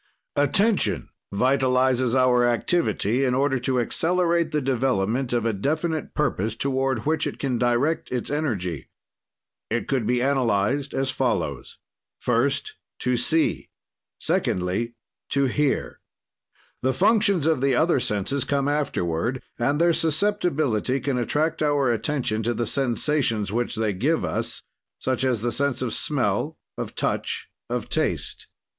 "Attention vitalizes our activity in order to accelerate the development of a definite purpose toward which it can direct its energy. "It could be analyzed as follows: "First, to see; "Secondly, to hear. "The functions of the other senses come afterward, and their susceptibility can attract our attention to the sensations which they give us, such as the sense of smell, of touch, of taste.